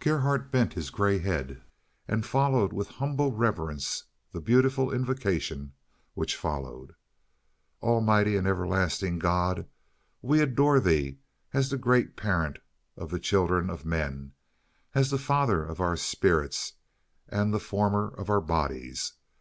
Gerhardt bent his gray head and followed with humble reverence the beautiful invocation which followed: "Almighty and everlasting God! we adore Thee as the great Parent of the children of men, as the Father of our spirits and the Former of our bodies.